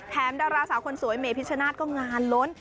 ดาราสาวคนสวยเมพิชชนาธิก็งานล้น